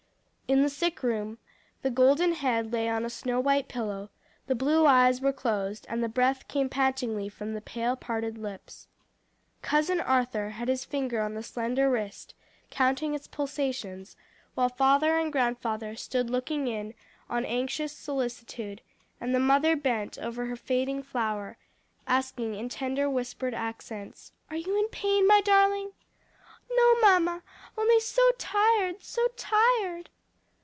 In the sick room the golden head lay on a snow white pillow, the blue eyes were closed, and the breath came pantingly from the pale, parted lips. "Cousin Arthur" had his finger on the slender wrist, counting its pulsations, while father and grandfather stood looking on in anxious solicitude, and the mother bent over her fading flower, asking in tender whispered accents, "are you in pain, my darling?" "No, mamma, only so tired; so tired!"